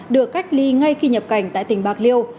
được cách ly ngay khi nhập cảnh tại tỉnh bạc liêu